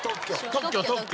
特許特許。